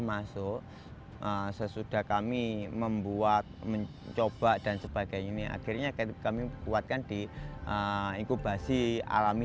masuk sesudah kami membuat mencoba dan sebagainya ini akhirnya kami buatkan di inkubasi alami